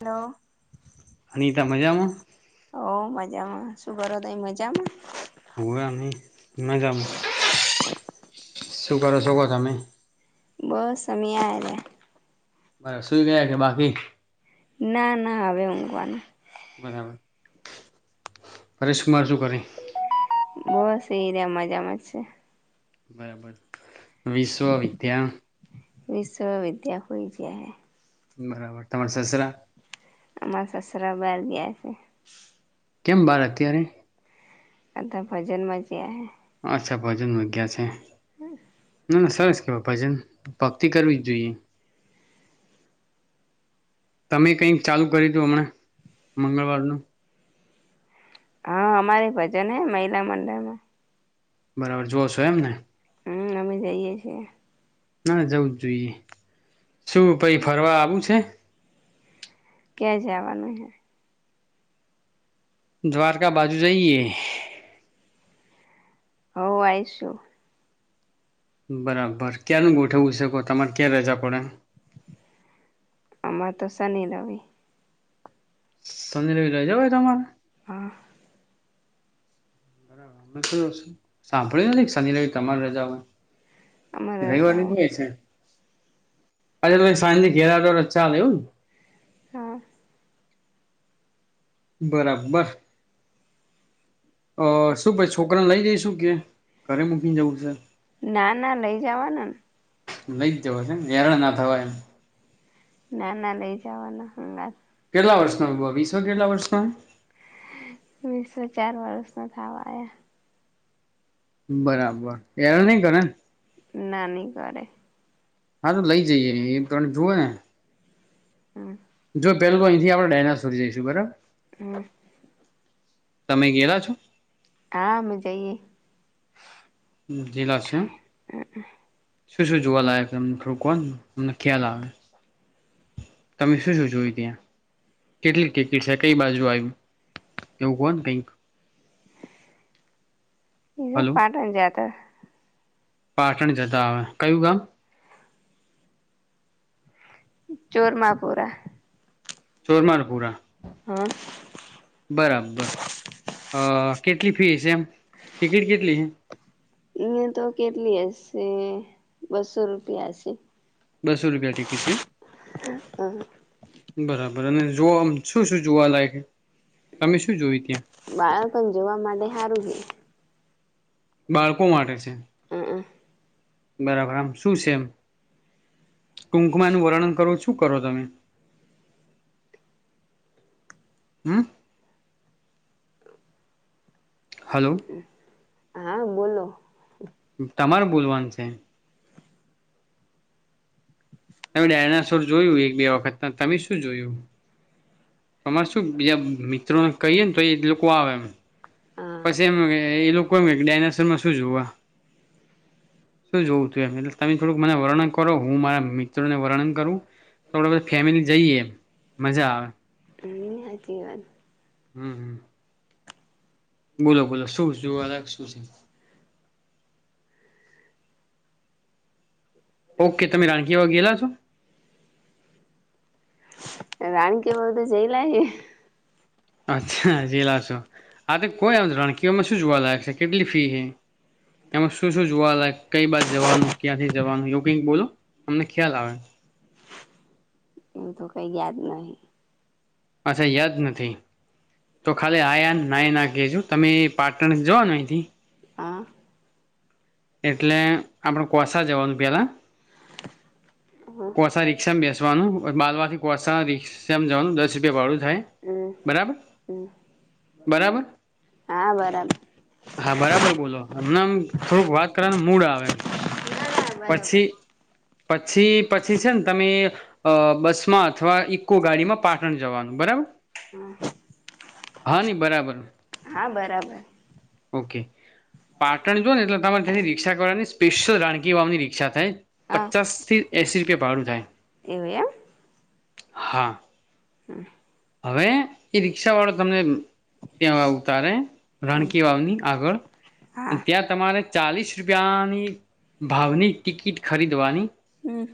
Hello Anita મજામાં? હો મજામાં શું કરો તમે મજામાં? [unintelligible] શું કરો છો ક તમે. બસ અમે આ રયા. બરા સુઈ ગયા કે બાકી? ના ના હવે ઊંઘવાનું. બરાબર પરેશ કુમાર શું કરે? બસ એ રહ્યા મજામાં છે. બરાબર વિશ્વ વિદ્યા વિશ્વ વિદ્યા હોય છે. બરાબર તમાર સસરા અમાર સસરા બાર ગયા છે. કેમ બાર અત્યારે? આતા ભજનમા [unintelligible] અચ્છા ભજન મા ગયા છે. [inaudible] ના સરસ કેવાય ભજન ભક્તિ કરવી જ જોઈએ. તમે કઈક ચાલુ કરી દું હમણાં મંગળવારનું હા અમારે ભજન હે મહિલા મંડળ માં બરાબર જોઓ છો એમને? હમ અમે જઈએ છીએ. ના જવું જ જોઈએ શું પહી ફરવા આવું છે. ક્યાં જાવાનું હે દ્વારકા બાજુ જઈએ હો આયશું બરાબર ક્યાંનું ગોઠવું છે કો તમારે ક્યાં રજા પડે? આમાંર તો શની રવિ શની રવી રજા હોય તમારે? હા. [unintelligible] સાંભળ્યું શનિ રવિ તમારે રજા હોય અમારે રવિવારની રજા હોય છે. અચછા તમે સાંજ ઘેલાતો ચાલે એવું હા. બરાબર. અ શું ભાઈ છોકરા લઈ જઈ શું કે ઘરે મૂકીને જવું છે? ના ના લઈ જાવાના લઈ જવા છે, હેરળ ના થવાય ના ના લઈ જાવાના હંગાત કેટલા વર્ષનો બ વિસો કેટલા વર્ષનો? વીસો ચાર વર્ષ ન થવા આયા બરાબર એર નઈ કરેને ના નઈ કરે હા તો લઈ જઈએ એ તણે જુવેને હમ. જો પેલું તો અહીંથી આપણે ડાયનાસોર જઈશું બરાબર હા. તમે ગેલા છો? હા અમે જઈએ ગેલા છે, એમ? [inaudible] શું શું જોવાલાયક અમને થોડું કોને અમને ખ્યાલ આવે તમે શું શું જોય ત્યાં? કેટલી ટીકિટ છે, કઈ બાજુ આવ્યું એવું કો ને કંઈક એ હલો પાટણ જાતા પાટણ જતા આવે કયું ગામ? ચોરમાપુરા. ચોરમારપુરા. હ. બરાબર અ કેટલી ફી છે, એમ ટિકિટ કેટલી છે? અહયા તો કેટલી હશે બસો રૂપિયા હશે બસો રૂપિયા ટિકિટ છે હ બરાબર જો શું શું જોવાલાયક તમે શું જોયું ત્યાં બાળકને જોવા માટે સારું છે બાળકો માટે છે અ હ બરાબર આમ શું છે એમ ટૂંકમાં એનુ વર્ણન કરવું શું કરો તમે [inaudible] હમ હાલો હા બોલો તમારે બોલવાનું છે તમે ડાયનાસોર જોયું એક બે વખત તમે શું જોયું તમારે શું બીજા મિત્રોને કહીએ ને તો એ લોકો આવે એમ હા પછી એમ એ લોકો એમ ડાયનાસોરમાં શું જોવા શું જોવું તું એટ તમે થોડુંક મને વર્ણન કરો હું મારા મિત્રોને વર્ણન કરું થોડા બધા ફેમિલી જઈએ એ મજા આવે હમ સાચી વાત હમ હમ બોલો બોલો શું અલગ શું છે ઓકે તમે રાણકી વા ગયેલા છો રાણી કે બ તો જઈ લ હ અચ્છા જ લશો આ તો કોય એમણ કઓમાં શું જોવા લયક છે કેટલી ફી છે એમાં શું શું જોવાલાય કઈ બાજ જવાનું ક્યાંથી જવાનું યો કિક બોલો અમને ખ્યાલ આવે એવું તો કઈ યાદ નહ અચછા યાદ નથી તો ખાલી આયા નાયા ના ક છ તમે પાટણ જવાનું અહીથી હા એટલે આપડ કોસાા જવાનું પેલા [inaudible] કોસાા, રિક્ષા બેસવાનું બાલવાથી કોષા રિક્ષા જવાનું દસ રૂપિયા વાળુ થાય હમ બરાબર હમ બરાબર હા બરાબર હા બરાબર બોલો અમને આમ થોડુંક વાત કરવાનું મૂડ આવે એમ હા બરોબર પછી પછી પછી છે ને તમે અ બસમાં અથવા ઈકો ગાડીમાં પાટણ જવાનું બરાબર હા હા નની બરાબર હા બરાબર ઓકે પાટણ જોુ ને એટલે તમારે તેની રિકક્ષા કરવાની સ્પેશિયલ રાણ વાની રીષા થાય પચાસ થી એસી રૂપિયા ભાડું થાય એવ એમ હા હવે એ રિક્ષા વાળો તમને ત્યા ઉતારે રાણકી વાવની હા આગળ ત્યા, તમારે ચાલીસ રૂપિયાની ભાવની ટિકિટ ખરીદવાની હમ્મ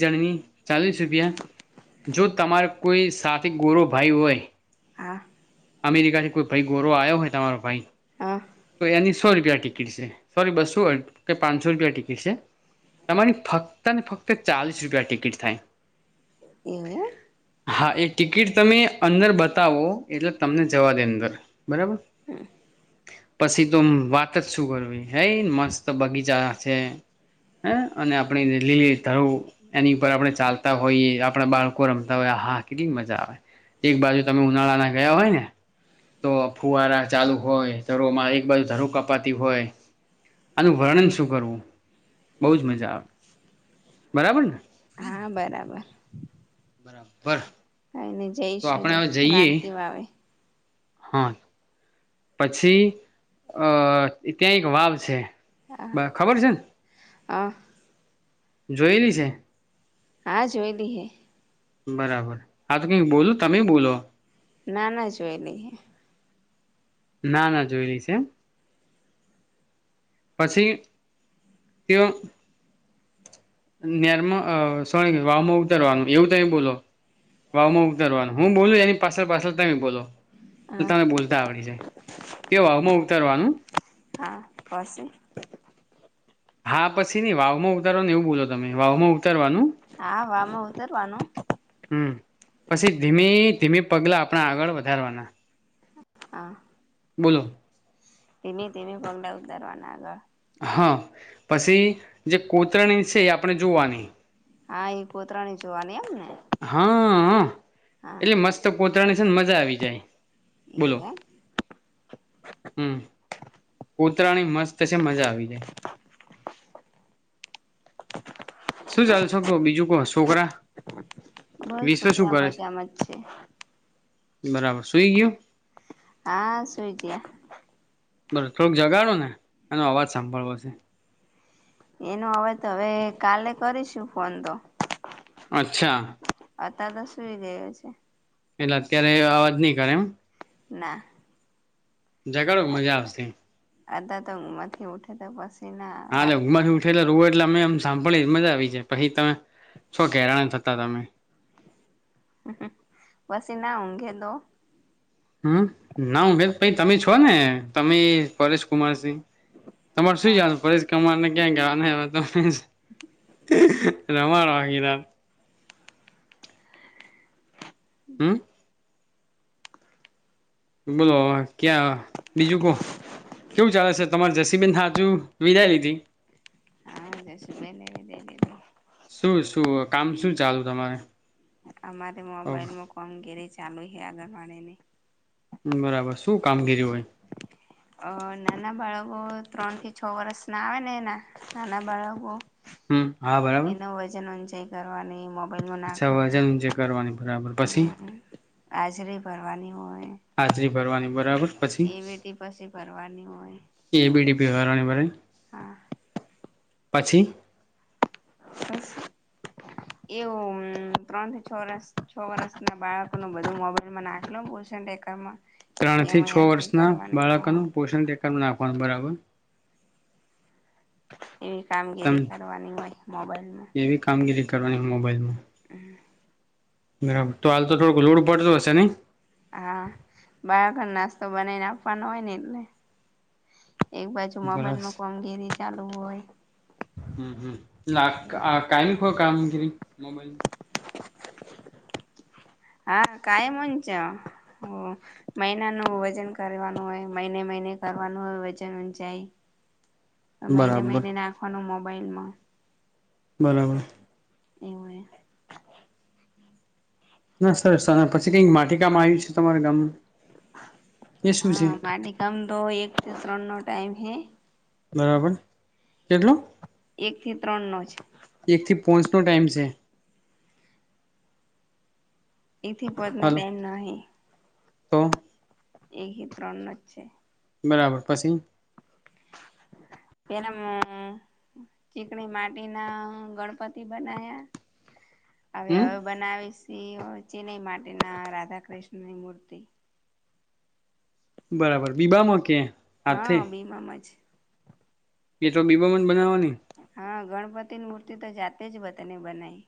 જણની, ચાલીસ રૂપિયા જો તમારે કોઈ સા ગોરુ ભાઈ હોય. હા અમેરિકા થી કોઈ ભાઈ ગોરો આવ્યો હોય, તમારો ભાઈ હા તો એની સો રૂપિયા ટિકિટ છે, સોરી બસું પાંચસો રૂપિયા ટિકિટ છે. તમારી ફક્ત ને ફક્ત ચાલીસ રૂપિયા ટિકિટ થાય એવમ હા, એ ટિકિટ તમે અંદર બતાવો. એટલે તમને જવા દે અંદર બરાબર પછી, તો વાત જ શું કરવી હે મસ્ત બગીચા છે. હ, અને આપણે લીલી ધર એની ઉપર આપણે ચાલતા હોઈએ આપણા બાળકો રમતા હોય. હા, કેટલી મજા આવે એક બાજુ તમે ઉનાળાના ગયા હોય ને તો ફુવારા ચાલુ હોય, ધરોમા એક બાજુ ધરું કપાતી હોય. આનુ, વર્ણન શું કરવું બહજ મજા આવે બરાબર ને હા, બરાબર બરાબર બર કઈને જઈશુ, તો રાકી વાવે હા પછી અ ત્યાં એક વાવ છે, ખબર છેને હા. જોયેલી છે. હા, જોયલીઈ હે બરાબર. હા તો કઈક બોલ તમે બોલો? ના ના જોઈ, લઈ, હ ના ના જોઈલી છે, એમ પછી તેઓ નેરમાં સો વાવામા ઉતરવાનુ એવુ, તો બોલો વાવમા ઉતરવાનુ હુ, બોલું એની પાછળ પાછલ તમે બોલો તો હા તને બોલતા આવડી જાય કે વાવ માં ઉતરવાનું પાશે? હા, પછી નઈ વાવમા ઉતારવાનુને, એવું બોલો તમે વાવમાં ઉતારવાનું હા, વાવમા ઉતારવાનુ હમ પછી ધીમે ધીમે પગલા આપણા આગળ વધારવાના. હા. બોલો! ધીમે, ધીમે પગલા ઉતારવાના આગળ હા, પછી જે કોતરણી છે એ આપણે જોવાની. હા, એ કોતરાની જોવાની એમને હા, એટલે મસ્ત કોતરાની છે ને મજા આવી જાય. બોલોલો! એવું એમ હમ. કૂતરાની, મસ્તશે મજા આવી જાય શું ચાલશે કહો, બીજુ કો છોકરા? બસ વિશ્વ શું છોકરા કરે મજામાં જ છે. બરાબર, સુઈ ગયું. હા, શઈ ગયા. બરો થોડુંક, જગાડો ને એનો અવાજ સાંભળવો છે. એનો હવે તો હવે કાલે કરીશું ફોન તો અચ્છા! અતા તો સુઈ ગયો છે, પેલા અત્યારે અવાજ નઈ કરે એમ ના ઝગાડો મજા આવશે, આધા તોમાંથી ઉઠે તો પાછી હાલે ઉંઘ માંથી ઉઠેલે રો એટલે અમે આમ સાંભળી મજા આવી છે, પછી તમે શો કેેરાણ થતા તમે વસી ના ઉંગે તો? હમ્મ, ના ઉભેં પાઈ તમે છો ને તમે પરેશ કુમારસિંહ, તમારે સુું ના જવાનું પરેશ કુમારને ક્યાં ગવા હ ત [unintelligible] હમ્મ બોલો ક્યાં બીજું કો? કેવું ચાલે છે? તમારે જસીબેન હ હજુ વિદાય લીધી હા, સુુંમે લ લ જીું શું શું કામ શું ચાલુ તમારે? અમારે મોબાઈલમાં કામગીરી ચાલુ છે, આંગણવાડીની બરાબર, શું કામગીરી હોય? અ નાના બાળકો અ ત્રણ થી છ વર્ષ ના આવે ને એના નાના બાળકો હમ, હા બરાબર તે કરવાની બલલો અચ્છા નાખવાને વજન જે કરવાની બરાબર પછી હાજરી ભરવાની હોય હાજરી ફરવાની હોય, એ બેટી પછી ભરવાની હોય, બેહારાની ભરીન હા, પછી બસ એવું અમ ત્રણ થી છ વર્ષ છ વર્ષના બાળકોનું બધું મોબાઈલમાં નાખલો પોષન ટેકરમાં. ત્રણ થી એમાં છ એન્ટ્રી વર્ષના કરવાની બાળકોનું પોષણ ટેકાણ નાખવાનું બરા બર. એવી કામગીરી કરવાની હોય મોબાઈલમાં. એવી કામગીરી કરવાની મોબાઈલમાં. હ. બરાબર તો હાલ તો થોડુંક લોડ પડતો હશે ને નઇ હા, બરાખર નાસ્તો બનાવીને આપવાનો હોય ને એટલે એક બાજુ મોબાઈલમાં કોમગીરી ચાલુ હોય, હમ્મ હમ્મ નાક‌ આ કાઈ નખ કામગીરી મોબાઈલ હા, કાઈ મન છે હમ્મ મહિનાનું વજન કરવાનું હોય મહિને મહિને કરવાનું હોય વજન ઊંચાઈ મહિને બરાબર મહિને નાખવાનું મોબાઈલમાં બરાબર એવુંયે ના સર સાર પછી કંઈક માટી કામમાં આવ્યું છે, તમારા ગામમાં હા, માટી કામ તો એક થી ત્રણ નો ટાઈમ હૈ. બરાબર કેટલું એક થી ત્રણ નો જ પોચનો ટાઈમ છે, એથી પોચના હાલો ટાઈમ નાહી, તો એક હી ત્રણ નો જ છે, બરાબર પછી પેલા મુ ચીકણી માટી ના ગણપતિ બનાયા. [inaudible] હવે હમ હવે બનાવીશી ચિનઈ માટીના રાધા કૃષ્ણની મૂર્તિ. બરાબર બીબામાં કે. હાથે હા બીમામ જ. એ તો બીબામાજ બનાવવાની. હા ગણપતિની મૂર્તિ તો જાતે વતને બનાવી.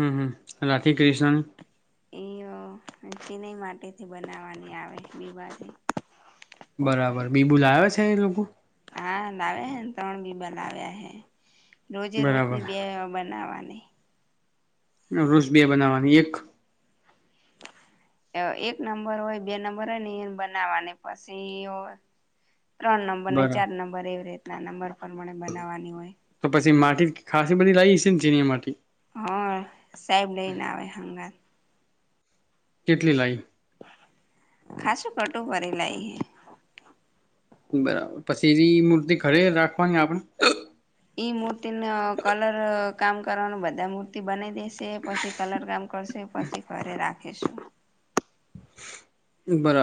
હમ હમ રાખી ક્રીષ્ણ. એ અ ચીનય માટેથી બનાવાની આવે બીબાથી. કોતરણી થ રવું. હા લાવ્યા હે ને ત્રણ બીબા લાવ્યા હે. રોજે બરાબર રોજની બે બનાવવાની. રો રુષ બે બનાવવાની એક. એક નંબર હોય બે નંબર હોય ને એ બનાવાને પછી હો. ત્રણ નંબર ને બરાબર ચાર નંબર એવી રીતના નંબર પરમણે બનાવાની હોય. કેટ ખાસી બધી લાવી હસે ને છે ને ચીની માટી. હા સાહેબ લઈને આવે હંગાત. કેટલી લાઈ. ખાસું કટું પ લ બરાબર પછીવી મૂર્તિ ઘરે રાખવાની આપણે એ મૂર્તિ ન કલર કામ કરવાનું બધા મૂર્તિ બનાવી દેશે પછી કલર કામ કરશે પછી ઘરે રાખીશું [inaudible]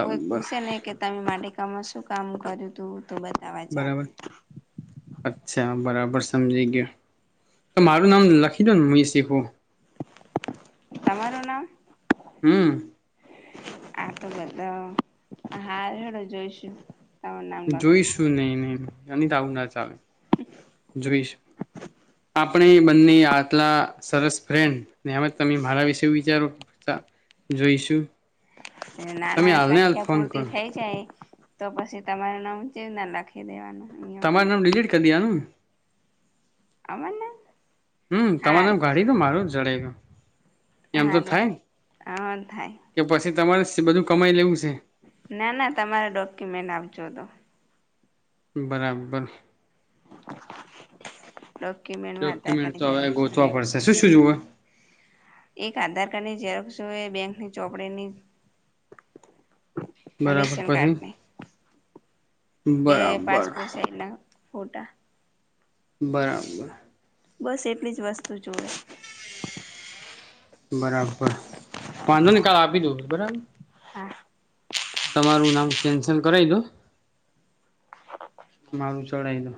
કોઈ પૂછ નને કે તમે મારી કામમાં શું કામ કર્યું તું તો બતાવા ચાલ બરાબર અચ્છા બરાબર ર સમજી ગયો તો મારું નામ લખી દો ને હું શીખું મારો નામ હમ આ તો બધા હા હેડો જોઈશું તમારું નામ લખી જોઈશું દઈશું નહી નહી એ ત આવું ના ચાલે જોઈશ આપણે બંને આટલા સરસ ફ્રેન્ડનેમ તમે મારા વિશે વિચારો જોઈશું તમે નાના હાલને હાલ સંખ્યા ફોન પૂરતી કરો થઈ જાય તો પછી તમારું નામ જવ ના લખી દેવાનું તમારે નામ ડિલીટ કરી દનું અમરને હમ તમારે હારું ગાડી તો મારું જ જડ ગય એમ તો હારું થાય હ થાય કે પછી તમારે બધું કમાઈ લેવું છે ના ના તમારે ડોક્યુમેન્ટ આપજો તોો બરાબર [inaudible] ડોક્યુમેન્ટમાં આધાર કાર્ડની ડોક્યુમેન્ટ ઝેરોક્ષ ને ગોતવા એવું જોવે. પડશે શું શું જુવ એક આધાર કાર્ડ ની જ ઝેરો જો એ બેંકની ચોપડીની બરાબર રેશન પછી કાર્ડની બે બરાબર પાસપોર્ટ સાઈઝ ના ફોટા બરાબર બસ એટલી જ વસ્તુ જોુઓ બરાબર વાંધો નિકાલ આપી દું બરાબર [inaudible] તમારું નામ કેન્સલ કરાવી દો મારું ચડાય તો